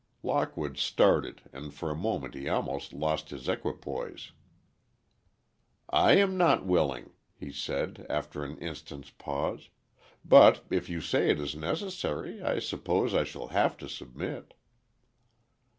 Lockwood started and for a moment he almost lost his equipoise. "I am not willing," he said, after an instant's pause, "but if you say it is necessary, I suppose I shall have to submit."